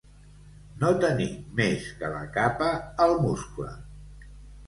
No tenir més que la capa al muscle.